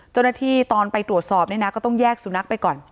ตอนไปตรวจสอบเนี่ยนะก็ต้องแยกสุนัขไปก่อน